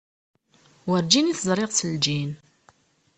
Werǧin i t-ẓriɣ s lǧin.